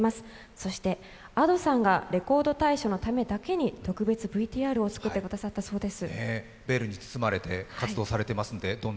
そしてＡｄｏさんが「レコード大賞」のためだけに特別ＶＴＲを作ってくださったそうです。